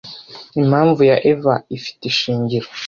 impamvu ya eva ifite ishingiro